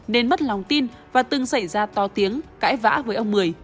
nên mất lòng tin và từng xảy ra to tiếng cãi vã với ông một mươi